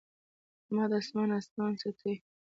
احمد اسمان اسمان څټي.